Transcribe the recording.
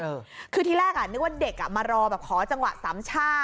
เออคือที่แรกอ่ะนึกว่าเด็กอ่ะมารอแบบขอจังหวะสามช่า